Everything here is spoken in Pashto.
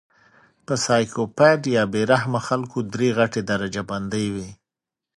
پۀ سايکو پېت يا بې رحمه خلکو درې غټې درجه بندۍ وي